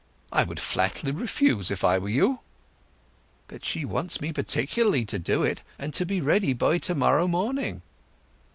I would flatly refuse, if I were you." "But she wants me particularly to do it, and to be ready by to morrow morning."